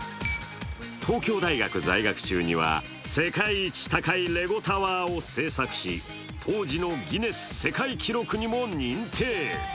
東京大学在学中には世界一高いレゴタワーを制作し、当時のギネス世界記録にも認定。